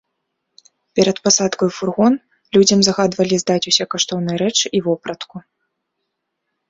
Перад пасадкай у фургон, людзям загадвалі здаць усе каштоўныя рэчы і вопратку.